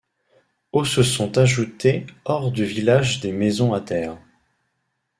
Au se sont ajoutées hors du village des maisons à terre.